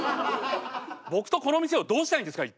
僕とこの店をどうしたいんですか？